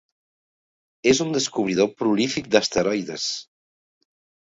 És un descobridor prolífic d'asteroides.